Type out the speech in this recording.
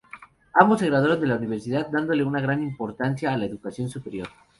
Ambos se graduaron de la universidad, dándole una gran importancia a la educación superior.